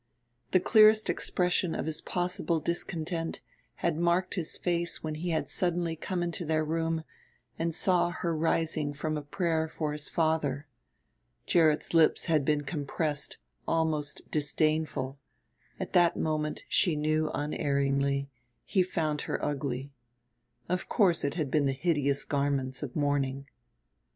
The clearest expression of his possible discontent had marked his face when he had suddenly come into their room and saw her rising from a prayer for his father. Gerrit's lips had been compressed, almost disdainful; at that moment, she knew unerringly, he found her ugly. Of course it had been the hideous garments of mourning.